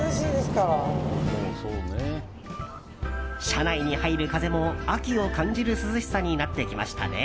車内に入る風も秋を感じる涼しさになってきましたね。